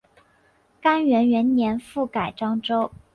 干元元年复改漳州。